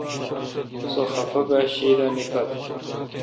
سو خفہ با شی دا نکھت۔